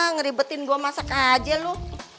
ngeribetin gue masak aja loh